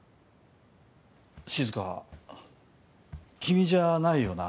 静君じゃないよな？